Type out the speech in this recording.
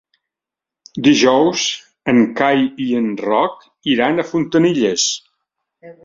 Dijous en Cai i en Roc iran a Fontanilles.